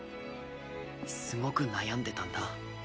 すごく悩んでたんだ。